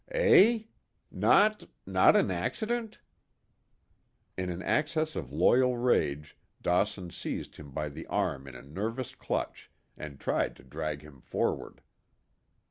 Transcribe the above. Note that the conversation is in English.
"Eh? Not not an accident?" In an access of loyal rage Dawson seized him by the arm in a nervous clutch, and tried to drag him forward.